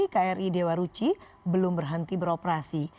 kri dewa ruci belum berhenti beroperasi